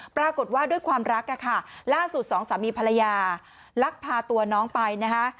ปรากฏว่าด้วยความรักค่ะล่าสุดสองสามีภรรยาลักพาตัวน้องไปนะคะ